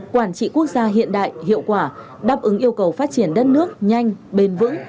quản trị quốc gia hiện đại hiệu quả đáp ứng yêu cầu phát triển đất nước nhanh bền vững